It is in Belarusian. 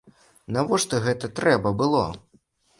Навошта гэта трэба было?